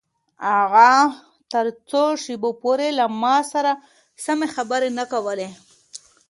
اغا تر څو شپو پورې له ما سره سمې خبرې نه کولې.